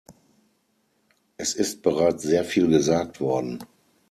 Es ist bereits sehr viel gesagt worden.